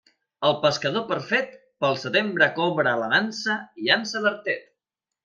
El pescador perfet, pel setembre cobra a la nansa i llança l'artet.